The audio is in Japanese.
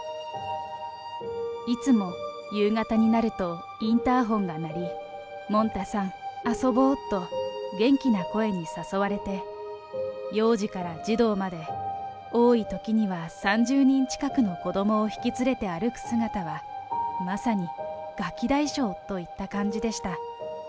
いつも夕方になるとインターホンが鳴り、もんたさん遊ぼうと、元気な声に誘われて、幼児から児童まで、多いときには３０人近くの子どもを引き連れて歩く姿は、まさにガキ大将といった感じでした。